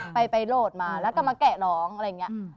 ไปโหลดมาแล้วก็มาแกะร้องอะไรอย่างนี้